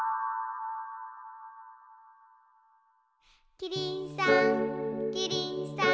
キリンさんキリンさん